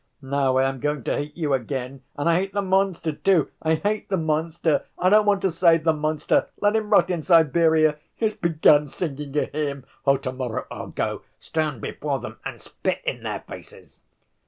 Now I am going to hate you again! And I hate the monster, too! I hate the monster! I don't want to save the monster. Let him rot in Siberia! He's begun singing a hymn! Oh, to‐morrow I'll go, stand before them, and spit in their faces!"